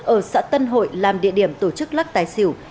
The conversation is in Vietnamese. ở xã tân hội làm địa điểm tổ chức lắc tài xỉu